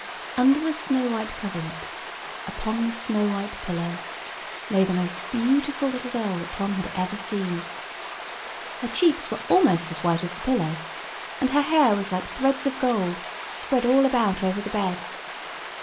Under the snow white coverlet, upon the snow white pillow, lay the most beautiful little girl that Tom had ever seen. Her cheeks were almost as white as the pillow, and her hair was like threads of gold spread all about over the bed.